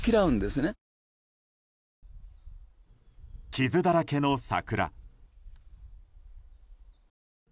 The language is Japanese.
傷だらけの桜。